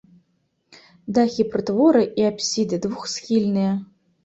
Дахі прытвора і апсіды двухсхільныя.